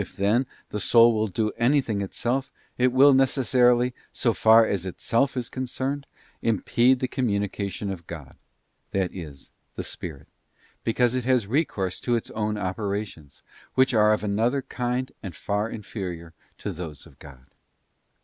If, then, the soul will do anything MAN ADDS NOTHING TO GOD. 233 itself, it will, necessarily, so far as itself is concerned, impede the communication of God, that is, the Spirit; because it has recourse to its own operations, which are of another kind and far inferior to those of God.